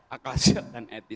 akal sehat dan etik